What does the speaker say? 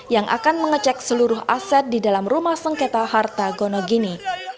yang akan mengecek seluruh aset di dalam rumah sengketa harta gonogini